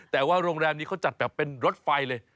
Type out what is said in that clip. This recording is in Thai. แต่ว่าโรงแรมนี้เขาจัดแบบเป็นรถไฟเลย